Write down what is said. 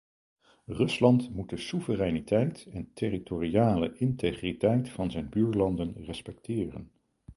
Rusland moet de soevereiniteit en territoriale integriteit van zijn buurlanden respecteren.